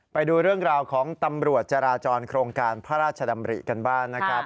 ไปดูเรื่องราวของตำรวจจราจรโครงการพระราชดำริกันบ้างนะครับ